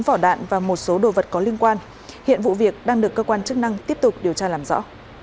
sáu vỏ đạn và một số đồ vật có liên quan hiện vụ việc đang được cơ quan chức năng tiếp tục điều tra làm rõ